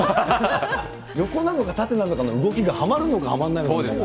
横なのか縦なのかの動きがはまるのかはまんないのかも。